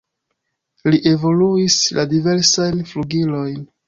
Li evoluis la diversajn flugilojn.